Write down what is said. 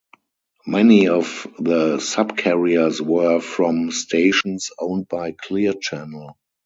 Many of the subcarriers were from stations owned by Clear Channel.